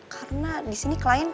karena disini klien pengen